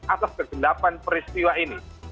atas kegendapan peristiwa ini